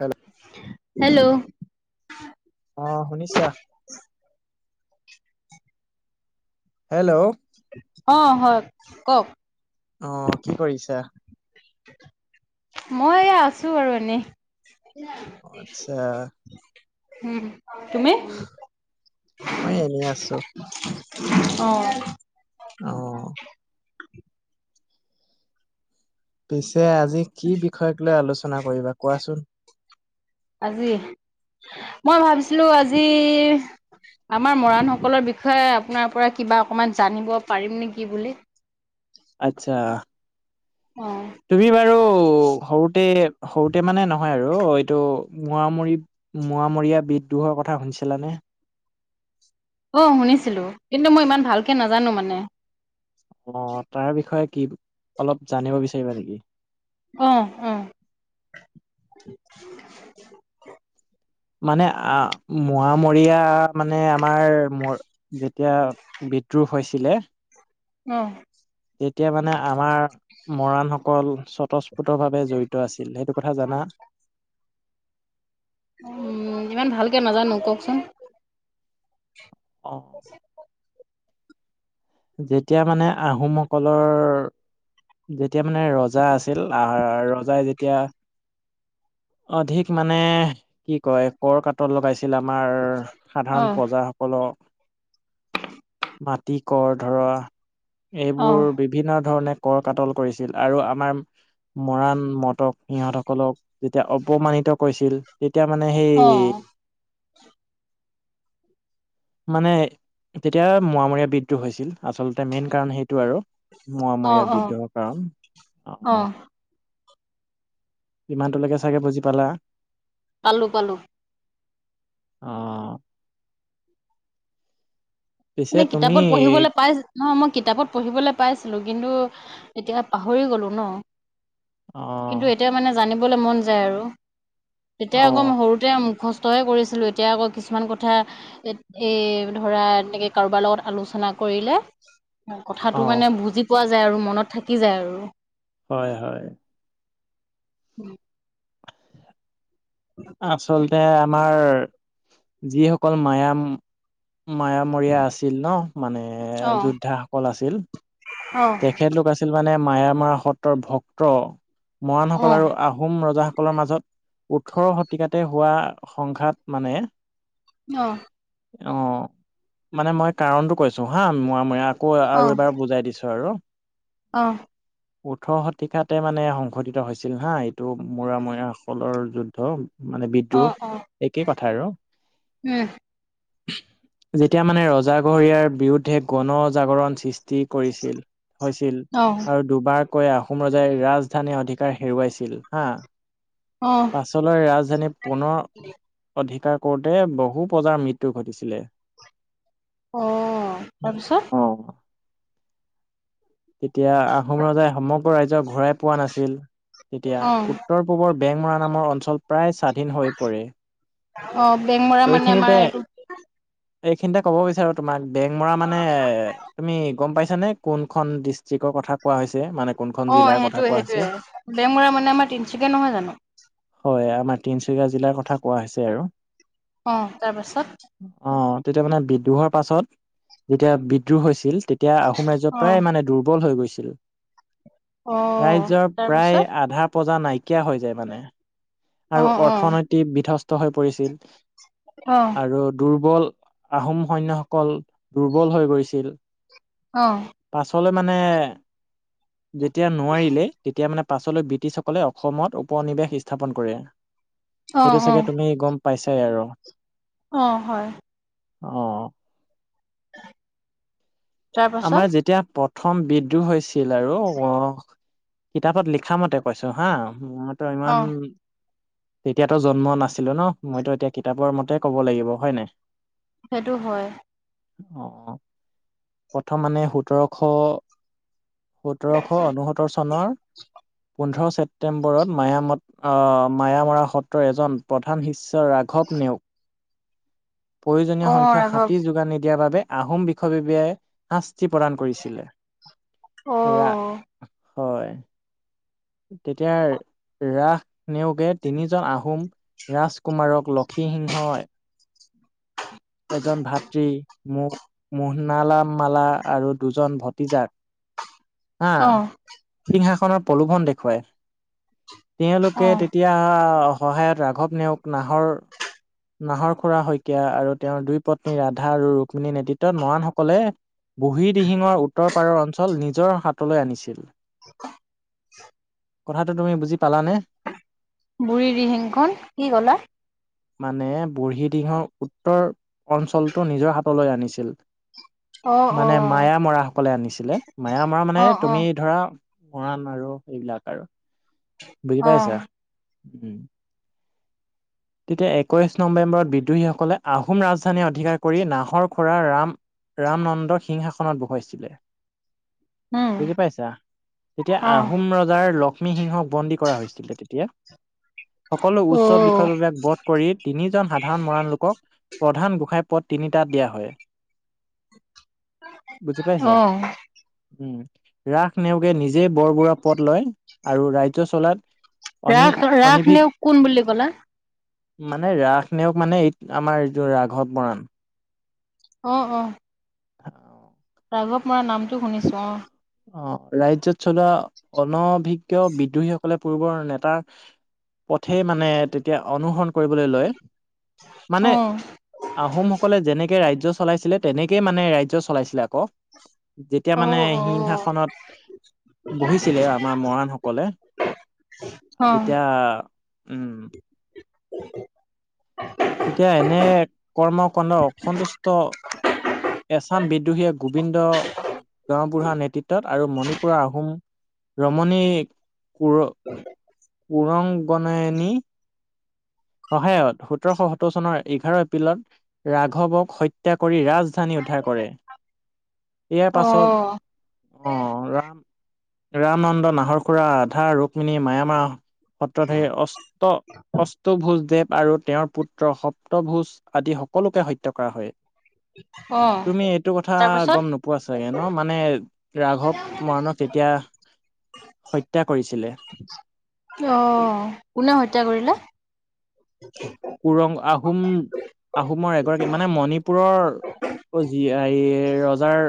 Hello hello. অ শুনিছা hello অ হয় কওক। অ কি কৰিছা মই এ আছো আৰু এনেই আচ্ছা হম মই এনে আছো অ অ পিছে আজি কি বিষয়ক লৈ আলোচনা কৰিবা কোৱাচোন? আজি মই ভাবিছিলো আজি। আমাৰ মৰাণ সকলৰ বিষয়ে আপোনাৰ পৰা কিবা অকমান জানিব পাৰিম নেকি বুলি। আচ্ছা অ' তুমি বাৰু সৰুতে সৰুতে মানে নহয় আৰু এইটো মোৱামৰি মোৱামৰীয়া বিদ্ৰোহৰ কথা শুনিছিলো নে অ শুনিছিলো কিন্তু মই ইমান ভালকে নাজানো মানে অ তাৰ বিষয়ে কি অলপ জানিব বিচাৰিবা নেকি? আহ আহ মানে আ মোৱামৰীয়া মানে আমাৰ ম যেতিয়া বিদ্ৰোহ হৈছিলে। উম তেতিয়া মানে স্বতঃস্ফতভাৱে জড়িত আছিল সেইটো কথা জানা। উম ইমান ভালকে নাজানো কওকচোন। অ যেতিয়া মানে আহোমসকলৰ যেতিয়া মানে ৰজা আছিল আহ ৰজাই যেতিয়া অধিক মানে কি কয় কৰ কাতৰ লগাইছে। কেলে আমাৰ সাধাৰণ অ' প্ৰজাসকলক। মাটি কৰ ধৰা এইবোৰ অ'। বিভিন্ন ধৰণে। কৰ কাতল কৰিছিল আৰু আমাৰ মৰাণ মতক সিহঁতসকলক। যেতিয়া অপমানিত কৰিছিল তেতিয়া মানে অ' সেই। মানে তেতিয়া মৰামৰীয়া বিদ্ৰুহ হৈছিল আচলতে মেইন কাৰণ সেই। এইটো আৰু মৰা অ' মৰীয়া অ' বিদূহৰ অ' কাৰণ। ইমানটোলৈকে চাগে বুজি পালা। পালো পালো। অ। মানে পিছে তুমি কিতাপত পঢ়িবলৈ পাই। নহ মই কিতাপত পঢ়িবলৈ পাইছিলো কিন্তু এতিয়া পাহৰি গলো ন। কিন্তু আহ এতিয়া মানে জানিবলৈ মন যায় আৰু অ তেতিয়া আকৌ সৰুতে মুখস্ত। তইে কৰিছিলোঁ এতিয়া আকৌ কিছুমান কথা এই ধৰা এনেকৈ। কাৰোবাৰ লগত আলোচনা কৰিলে অ কথাটো মানে বুজি পোৱা যায়। যাই আৰু মনত থাকি যায় আৰু। হয় হয়। উম। আচলতে আমাৰ যিসকল মায়াম। মায়ামৰী য়া আছিল ন মানে অ', যোদ্ধাসকল আছিল। অ', তেখেতলোক আছিল মানে মায়ামাৰা সত্ৰৰ ভক্ত। মৰাণসকল অ', আৰু আহোম ৰজাসকলৰ মাজত ওঠৰ শতিকাতে হোৱা। সংঘাত মানে। অ। অ মানে মই কাৰণতটো কৈছো হা মোৱামৰীয়া আকৌ আৰু অ', এবাৰ বুজাই দিছো। আৰু। অ। ওঠৰ শতিকাতে মানে সংঘটিত হৈছিল হা এইটো মোৱামৰীয়া সকলৰ যুদ্ধ। মানে অ', অ বিদ্ৰোহ একেই কথা আৰু। উম, যেতিয়া মানে ৰজাঘৰীয়া বিৰুদ্ধে গণজাগৰণ সৃষ্টি কৰি। হৈছিল অ', আৰু দুবাৰ। কৈ আহোম ৰজাই ৰাজধানী অধিকাৰ হেৰুৱাইছিল হা। অ', পাছলৈ ৰাজধানী পুনৰ অধিকাৰ। ক'তে বহু প্ৰজাৰ মৃত্যু ঘটিছিলে। অ তাৰপিছত। অ এতিয়া আহোম ৰজাই সমগ্ৰ ৰাজ্যৰ ঘূৰাই পোৱা নাছিল তেতিয়া অ', উত্তৰ পূবৰ। বেংমৰা নামৰ অঞ্চল প্ৰায় স্বাধীন হৈ পৰে। অ বেংমৰা মানে এইখিনিতে আমাৰ এইটো। এইখিনিতে ক'ব বিচাৰো তোমাক বেং মৰা মানে তুমি গম পাইছানে কোনখন ডিষ্ট্ৰিক্টৰ ক। কথা কোৱা হৈছে মানে। কোনখন অ জিলাৰ কথা সেইটোয়ে কোৱা হৈছে? সেইটোয়ে বেং মৰা মানে আমাৰ তিনিচুকীয়া নহয় জানো। হয় আমাৰ তিনিচুকীয়া জিলাৰ কথা কোৱা হৈছে আৰু। অ', তাৰপাছত অ তেতিয়া মানে বি। বিদ্ৰোহৰ পাছত যেতিয়া বিদ্ৰোহ হৈছিল তেতিয়া আহোম ৰাজ্য অ', প্ৰায় মানে দুৰ্বল হৈ গৈছিল। অ', ৰাজ্যৰ তাৰপাছত প্ৰায় আধা পজা নাইকিয়া হৈ যায় মানে। অ', আৰু অ', অৰ্থনৈতি বিধ্বস্ত হৈ পৰিছিল অ', আৰু দুৰ্বল। আহোম সৈনয়সকল দুৰ্বল হৈ গৈছিল। অ। চলে মানে। যেতিয়া নোৱাৰিলে তেতিয়া মানে পাছলৈ ব্ৰিটিছসকলে অসমত উপনিৱেশ স্থাপন কৰে। অ', সেইটো চাগে অ তুমি গম পাইছাই আৰু। অ হয়। অ। তাৰপাছত আমাৰ যেতিয়া পথ। প্ৰথম বিদ্ৰোহ হৈছিল আৰু অ কিতাপত লিখা মতে কৈছো হা। ত ইমান। অ', তেতিয়াতো জন্ম নাছিলো ন মইতো এতিয়া কিতাপৰ মতে ক'ব লাগিব হয় নাই। সেইটো হয়। অ অ প্ৰথম মানে সোতৰশ। সোতৰশ ঊনসত্তৰ চনৰ পোন্ধৰ। ছেপ্তেম্বৰত মায়া মায়ামৰা সত্ৰৰ এজন প্ৰধান শিষ্য। ৰাঘৱ নেওঁগ। প্ৰয়োজনীয় অ সংখ্যাক ৰাঘৱ হাতী যোগান নিদিয়াৰ বাবে আহোম বিষয়ববিয়াই শা। প্ৰদান কৰিছিলে ৰা অ', হয়। তেতিয়া। ৰাস নেওঁগে তিনিজন আহোম ৰাজকুমাৰক লক্ষীসিংহই। এজন ভাতৃ মো মোহনালামালা আৰু দুজন ভতিজাক। হা অ', সিংহাসনৰ প্ৰলোভন দেখুৱাই। অ তেওঁলোকে তেতিয়া সহায়ত ৰাঘৱ নেওঁগ নাহৰ। নাহৰ খুৰা শইকীয়া আৰু তেওঁৰ দুই পত্নী ৰাধা আৰু ৰুক্মণীৰ নেতৃত্বত মৰাণসকলে। বুঢ়ী দিহিঙৰ উত্তৰ পাৰৰ অঞ্চল নিজৰ হাতলৈ আনিছিল। [unintelligible] কথাটো তুমি বুজি পালানে। বুঢ়ী দিহিংখন কি ক'লা। মানে বুঢ়ীদিহিং ৰ উত্তৰ অঞ্চলটো নিজৰ হাতলৈ আনিছিল। অ', মানে অ', মায়া মৰা সকলে আনিছিলে মায়া মৰা মানে অ', তুমি অ', ধৰা। মৰাণ আৰু এইবিলাক আৰু বুজি অ পাইছা। উম। তেতিয়া একৈশ নৱেম্বৰত বিদ্ৰোহীসকলে আহোম ৰাজধানী অধিকাৰ কৰি নাহৰ খোৰাৰ ৰাম। ৰামনন্দৰ সিংহাসনত বহুৱাইছিলে। উম, বুজি পাইছা তেতিয়া অ', আহোম ৰজাৰ লক্ষ্মীসিংহক বন্দী কৰা হৈছে। তেতিয়া সকলো উচ্চ অ', বিষয়ববিয়াক বধ। কৰি তিনিজন সাধাৰণ মৰাণ লোকক। প্ৰধান গোঁসাঁই পথ তিনিটা দিয়া হয়। বুজি অ পাইছা উম। ৰাস নেওঁগে নিজে বৰবৰুৱা পদ লয় আৰু ৰাজ্য চলাত। অনি ৰাস ৰাস অনিভিক নেওঁগ কোন বুলি ক'লা। মানে ৰাস নেওঁক মানে এই আমাৰ এই ৰাঘৱ মৰাণ। অ অ। [unintelligible] ৰাঘৱ মৰান নামটো শুনিছো অ। অ ৰাজ্যত চলোৱা অনভিজ্ঞ বিদ্ৰোহীসকলে পূৰ্বৰ নেতাৰ। পথে মানে তেতিয়া অনুসৰণ। কৰিবলৈ লয় মানে আহোমসকলে যেনেকে ৰাজ্য চলাইছিলে তেনেকে। মানে ৰাজ্য চলাইছিলে আকৌ যেতিয়া অ', অ', মানে অ', সিংহাসনত। বহিছিলে আমাৰ মৰাণ সকলে অ', তেতিয়া। উম। তেতিয়া এনে কৰ্ম কণ্ড অসন্তুষ্ট। এছাম বিদ্ৰোহীয়ে গোবিন্দ। গাওঁবুঢ়া নেতৃত্বত আৰু মণিপুৰৰ আহোম ৰমনী। ক কুৰংগনায়নী। সহায়ত সোতৰশ সোত্তৰ চনৰ এঘাৰ এপ্ৰিলত ৰাঘৱক হত্যা কৰি ৰাজ। ধানী উদ্ধাৰ কৰে ইয়াৰ অ', পাছত আহ ৰাম। ৰামনন্দ নাহৰ খুৰা আধা ৰুক্মিণী মায়ামাহ। সত্ৰত সেই অষ্ট অ। ভোজ দেৱ আৰু তেওঁৰ পুত্ৰ সপ্তভোজ আদি সকলোকে হত্যা কৰা হয়। হয়। তুমি এইটো কথা গম নোপোৱা চাগে ন মানে ৰাঘৱ মৰাণক তেতিয়া। হত্যা কৰিছিলে। আহ কোনে হত্যা কৰিলে? উুৰং আহোম আহোমৰ এগৰাকী মানে মণিপুৰৰ। অ যি এই ৰজাৰ।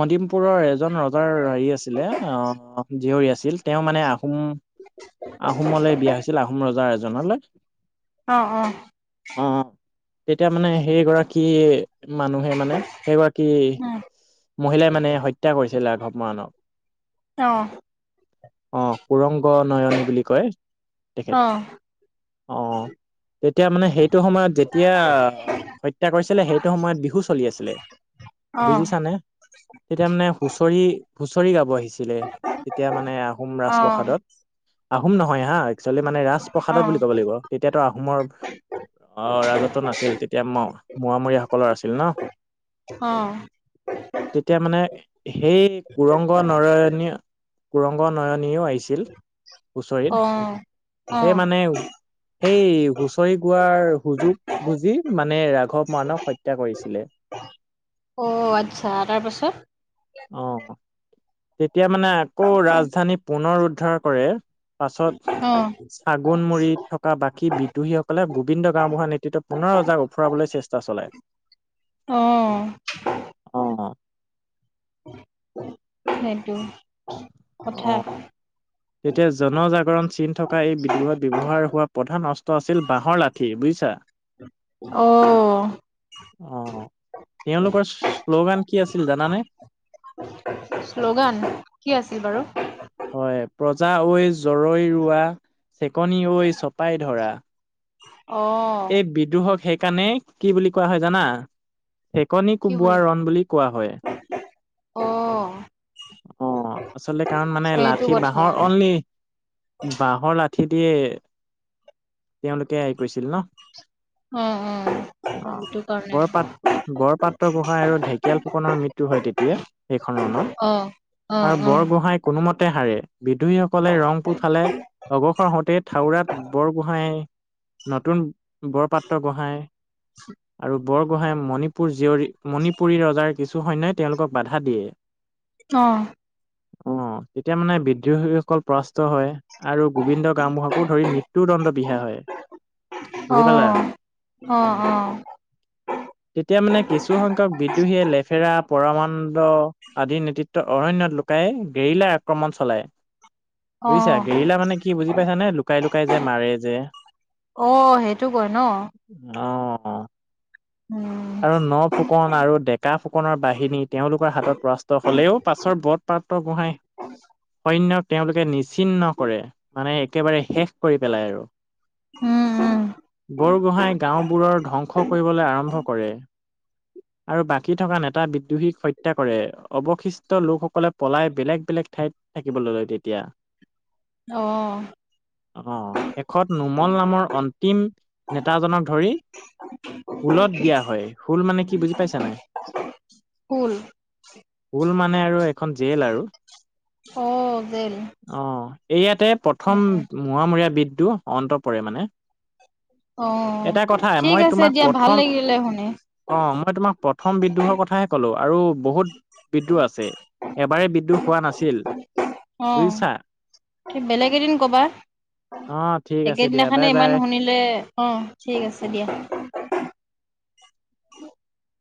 মদিমপুৰৰ এজন ৰজাৰ হেৰি আছিলে আহ জীয়ৰী আছিল তেওঁ মানে আহোম। আহোমলৈ বিয়া হৈছিল আহোম ৰজাৰ এজনলৈ। অ অ। অ তেতিয়া মানে সেই গৰাকী মানুহে মানে সেই গৰাকী। মহিলাই মানে হত্যা কৰিছিল ৰাঘৱ মৰাণ। অহ। অহ কুৰংগ নয়নী বুলি কয় তেখেত অ', অহ। তেতিয়া মানে সেইটো সময়ত যেতিয়া অহ। হত্যা কৰিছিলে সেইটো সময়ত বিহু চলি আছিলে বুজিছানে। তেতিয়া মানে হুঁচৰি হুঁচৰি গাব আহিছে। ছিলে তেতিয়া মানে আহোম ৰাজপ্ৰসাদত আহোম নহয় হা। একচুৱেলি মানে ৰাজপ্ৰসাদত বুলি ক'ব লাগিব তেতিয়াতো আহোমৰ। অ ৰাজত্ব নাছিল তেতিয়া মৰামৰীয়াসকলৰ আছিল ন। অ। তেতিয়া মানে সেই কুৰংগ নৰয়নী কুৰংগ নয়ন। আহিছিল হুঁচৰি সেই মানে। সেই হুঁচৰি গোৱাৰ সুযোগ বুজি মানে ৰাঘৱ মৰাণক হত্যা কৰিছিলে। অ আচ্ছা তাৰ পাছত। অ তেতিয়া মানে আকৌ ৰাজধানী পুনৰ উদ্ধাৰ কৰে। পাছত অ', ছাগণ মুৰি থকা বাকী বি। দোহীসকলে গোবিন্দ গাঁওবুঢ়া নেতৃত্বত পুনৰ অজাক ওফৰাবলৈ চেষ্টা চলায়। অঁ। অ। সেইটো অ কথা। তেতিয়া জনজাগৰণ চিন থকা এই বিদ্ৰোহত ব্যৱহাৰ হোৱা প্ৰধান অস্ত্ৰ আছিল বাঁহৰ লাঠি বুজিছা। অ। অ তেওঁলোকৰ শ্লোগান কি আছিল জানানে? শ্লোগান কি আছিল বাৰু। হয় প্ৰজা ঐ জৰৈ ৰোৱা চেকনি ঐ চপাই ধৰা। অ', এই বিদ্ৰোহক সেইকাৰণে কি বুলি কোৱা হয় জানা? চেকনি কোবোৱা ৰণ বুলি কোৱা হয়। অ। অ আচলতে কাৰণ মানে সেইটো লাঠি কথা বাঁহৰ অনলি বাঁহৰ লাঠি। তে। তেওঁলোকে কৈছিল ন। অ অ অ সেইটো ক। বৰপাত বৰপাত্ৰ গোঁসাঁই আৰু ঢেকীয়াল ফুকনৰ মৃত্যু হয় তেতিয়া সেইখন ৰনত। অ', অ', আৰু অ', বৰগোহাঁই কোনোমতে হাৰে বিদ্ৰোহী সকলে ৰংপুৰ ফালে অঘসৰ হওঁতেই থাক। কউৰাত বৰ গোহাঁই নতুন বৰ পাত্ৰ গোহাঁই আৰু। বৰগোহাঁঞই মণিপুৰ জীয়ৰী মণিপুৰী ৰজাৰ কিছুসৈন্যই তেওঁলোকক বাধা দিয়ে। অ। অ তেতিয়া মানে বিদ্ৰোহীসকল পৰাস্ত হয় আৰু গোবিন্দ গামবুঢ়াকো ধৰি মৃত। মৃত্যুৰৰ্দড বিহা হয় অ', বুজি পালা উ। অ', অ', তেতিয়া মানে কিছুসখ্য্ক বিদ্ৰোহীয়ে লেফেৰা। পৰমানান্দ আদিৰ নেতৃত্বত অৰণ্য লুোকাই গেৰিলাই আক্ৰমণ চলায়। অ', বুজিছােৰিলা মান কি বুজিাইছা লুকাই লুকাই। যে মাৰে যে অ', সেইটো কয় ন অ। উম, আৰু ন ফুকন আৰু ডেকা ফুকনৰ বাহিনী তেওঁলোকৰ হাতত পৰাস্ত হলেও পাছৰ বট। পাত্ৰ গোহাঁই সৈন্যক তেওঁলোকে নিচ্চিহ্ন কৰে মানে একেবাৰে শেষ। কৰি পেলাই আৰু। উম, উম, বৰগোহাঁই গাঁওবোৰৰ ধ্বংস কৰিবলৈ আৰম্ভ কৰে। আৰু বাকী থকা নেতা বিদ্ৰোহীক হত্যা কৰে অৱশিষ্ট লোকসকলে পলাই বেলেগ বেলেগ ঠাইত। থাকিবলৈ লয় তেতিয়া। অ। অহ শেষত নোমল নামৰ অন্তিম নেতাজনক ধৰি। ঊলত দিয়া হয় শোল মানে কি বুজি পাইছানে। ফুল হল মানে আৰু এখন জেল আৰু। হ গেল। এইয়াতে প্ৰথম। বিদু অন্ত পৰে মানে। অ এটা কথা ঠিক মই আছে তোমাক দিয়া ভাল প্ৰথম লাগিলে শুনে। অ মই তোমাক প্ৰথম বিদ্ৰোহৰ কথাহে ক'লো। আৰু বহুত বিদ্ৰোহ আছে এবাৰে বিদ্ৰোহ হোৱা নাছিল। অ' বুজিছা। বেলেগ এদিন ক'বা। অ। ঠিক আছে দিয়া একেদিনাখে বাই ইমান বাই। শুনিলে অ ঠিক আছে দিয়া। [unintelligible]